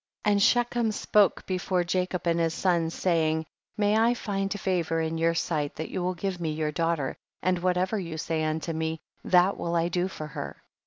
27. And Shechem spoke before Jacob and his sons, saying, may I find favor in your sight that you will give me your daughter, and what ever you say unto me that will I do for her.